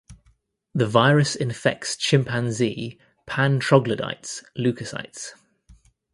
The virus infects chimpanzee ("Pan troglodytes") leukocytes.